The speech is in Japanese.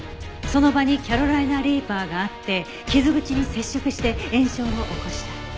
その場にキャロライナ・リーパーがあって傷口に接触して炎症を起こした。